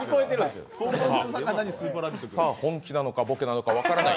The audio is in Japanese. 本気なのかボケなのか分からない。